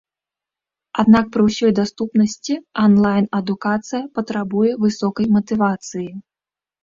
Аднак пры ўсёй даступнасці анлайн-адукацыя патрабуе высокай матывацыі.